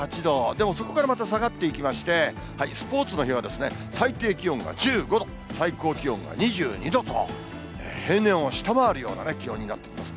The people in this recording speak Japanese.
でも、そこからまた下がっていきまして、スポーツの日は最低気温が１５度、最高気温が２２度と、平年を下回るような気温になってきます。